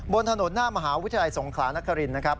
บนถนนหน้ามหาวิทยาลัยสงขลานครินนะครับ